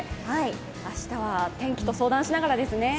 明日は天気と相談しながらですね。